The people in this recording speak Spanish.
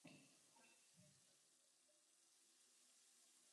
Fue la primera editorial en publicar a Sir Arthur Conan Doyle.